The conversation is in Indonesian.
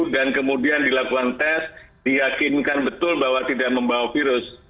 dan kemudian dilakukan tes diakinkan betul bahwa tidak membawa virus